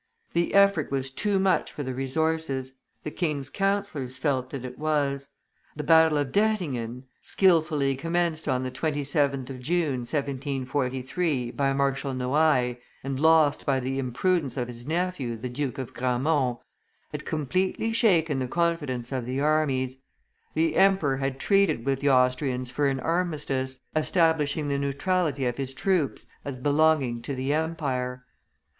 The effort was too much for the resources; the king's counsellors felt that it was; the battle of Dettingen, skilfully commenced on the 27th of June, 1743, by Marshal Noailles, and lost by the imprudence of his nephew, the Duke of Gramont, had completely shaken the confidence of the armies; the emperor had treated with the Austrians for an armistice; establishing the neutrality of his troops, as belonging to the empire.